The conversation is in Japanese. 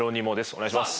お願いします。